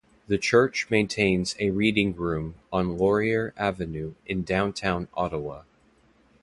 The church maintains a Reading Room on Laurier Avenue in downtown Ottawa.